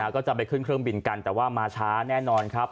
ก็จะไปขึ้นเครื่องบินกันแต่ว่ามาช้าแน่นอนครับ